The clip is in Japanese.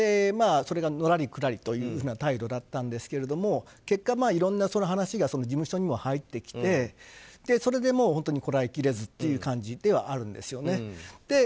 それがのらりくらりというふうな態度だったんですが結果、いろんな話が事務所にも入ってきてそれで本当にこらえきれずという感じではあるんですよね。